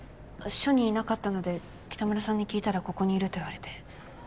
署にいなかったので北村さんに聞いたらここにいると言われて。